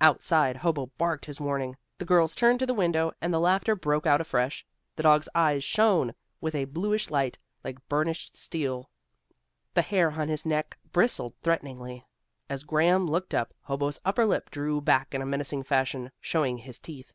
Outside, Hobo barked his warning. The girls turned to the window and the laughter broke out afresh. The dog's eyes shone with a bluish light, like burnished steel. The hair on his neck bristled threateningly. As Graham looked up, Hobo's upper lip drew back in a menacing fashion, showing his teeth.